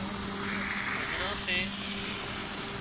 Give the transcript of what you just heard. لُگھڙان سي